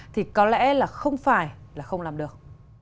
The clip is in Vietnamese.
thì có lẽ là không phải là không làm được